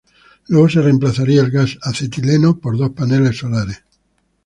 Luego se reemplazaría el gas acetileno por dos paneles solares.